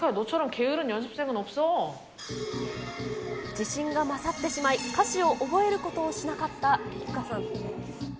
自信が勝ってしまい、歌詞を覚えることをしなかったリンカさん。